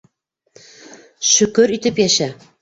Шөкөр итеп йәшә.